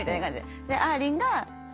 であーりんが。